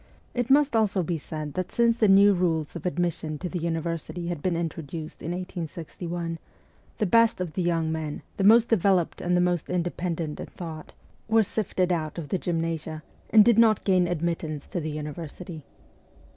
It must also be said that since the new rules of admission to the university had been introduced in 1861, the best of the young men, the most developed and the most independent in thought, were. sifted out of 92 MEMOIRS OF A REVOLUTIONIST the gymnasia, and did not gain admittance to the university.